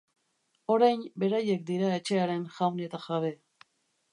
Orain beraiek dira etxearen jaun eta jabe.